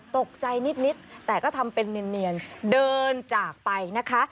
ตกใจนิดแต่ก็ทำเป็นเนียนเดินจากไปนะคะ